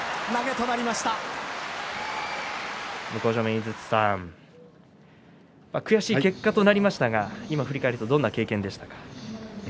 井筒さん悔しい結果となりましたが今振り返るとどういう経験でしたか。